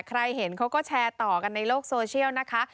ใครเห็นเขาก็แชร์ต่อกันในโลกโซเชียลนะคะ